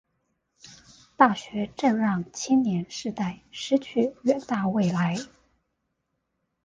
大學正讓青年世代失去遠大未來